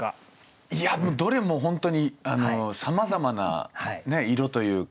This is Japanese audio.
いやどれも本当にさまざまな色というか。